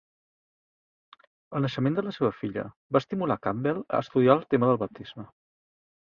El naixement de la seva filla va estimular Campbell a estudiar el tema del baptisme.